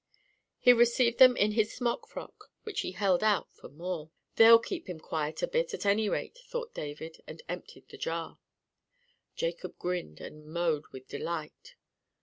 He received them in his smock frock, which he held out for more. "They'll keep him quiet a bit, at any rate," thought David, and emptied the jar. Jacob grinned and mowed with delight.